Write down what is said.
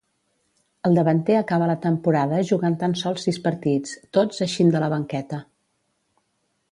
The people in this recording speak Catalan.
El davanter acaba la temporada jugant tan sols sis partits, tots eixint de la banqueta.